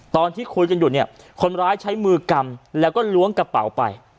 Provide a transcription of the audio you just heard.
ตอนที่คุยกันอยู่เนี่ยคนร้ายใช้มือกำแล้วก็ล้วงกระเป๋าไป